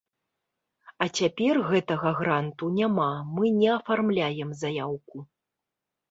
А цяпер гэтага гранту няма, мы не афармляем заяўку.